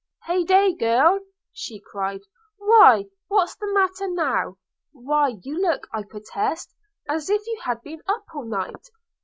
'Hey day, girl!' cried she, 'why what's the matter now? Why you look, I protest, as if you had been up all night!